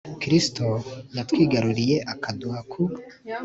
kristu yatwigaruriye akaduha ku